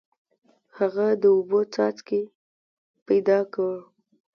هغه د اوبو یو څاڅکی پیدا کړ.